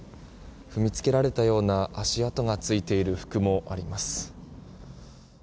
踏みつけられたような足跡がついている服もあります。